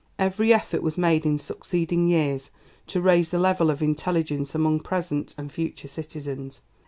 Every effort was made in succeeding years to raise the level of intelligence among present and future citizens.